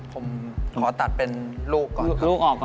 ผมขอตัดเป็นลูกก่อน